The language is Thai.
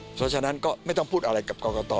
เพราะฉะนั้นก็ไม่ต้องพูดอะไรกับกรกต